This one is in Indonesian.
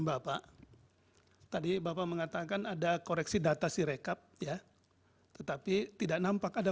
bapak tadi bapak mengatakan ada koreksi data sirekap ya tetapi tidak nampak ada